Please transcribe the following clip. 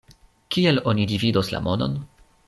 Kiel oni dividos la monon?